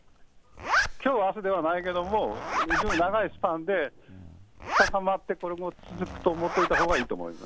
きょう、あすではないけども、非常に長いスパンで、高まってこのまま続くと思っておいたほうがいいと思います。